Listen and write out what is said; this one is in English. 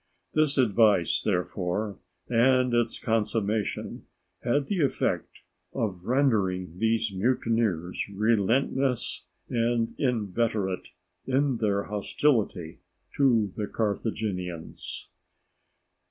This advice, therefore, and its consummation had the effect of rendering these mutineers relentless and inveterate in their hostility to the Carthaginians.